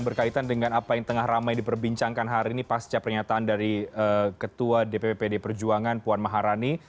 berkaitan dengan apa yang tengah ramai diperbincangkan hari ini pasca pernyataan dari ketua dpp pd perjuangan puan maharani